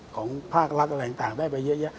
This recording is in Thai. ของภาครัฐอะไรต่างได้ไปเยอะแยะ